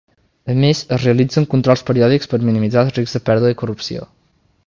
A més es realitzen controls periòdics per a minimitzar els riscs de pèrdua i corrupció.